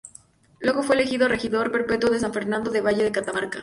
Luego fue elegido Regidor Perpetuo de San Fernando del Valle de Catamarca.